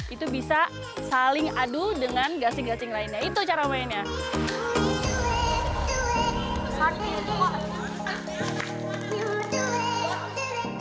itu bisa saling adu dengan gasing gasing lainnya itu cara mainnya